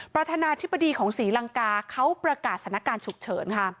ประธานาธิบดีของศรีลังกาเขาประกาศสถานการณ์ฉุกเฉินค่ะ